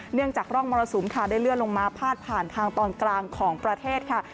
จากร่องมรสุมค่ะได้เลื่อนลงมาพาดผ่านทางตอนกลางของประเทศค่ะ